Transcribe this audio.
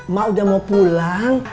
mak udah mau pulang